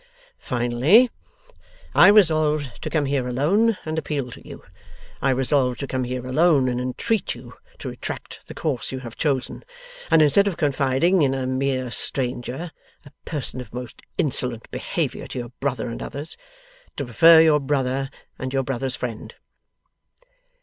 'Finally, I resolved to come here alone, and appeal to you. I resolved to come here alone, and entreat you to retract the course you have chosen, and instead of confiding in a mere stranger a person of most insolent behaviour to your brother and others to prefer your brother and your brother's friend.